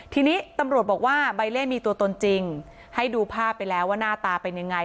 ทีนี้ตำรวจบอกว่าใบเล่มีตัวตนจริงให้ดูภาพไปแล้วว่าหน้าตาเป็นยังไง